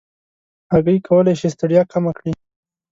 هګۍ کولی شي ستړیا کمه کړي.